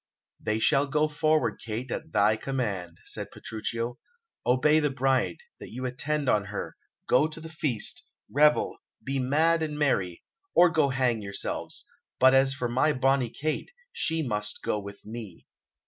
"They shall go forward, Kate, at thy command," said Petruchio. "Obey the bride, you that attend on her; go to the feast, revel, be mad and merry or go hang yourselves! But as for my bonny Kate, she must go with me.